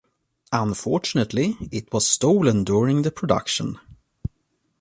Unfortunately, it was stolen during the production.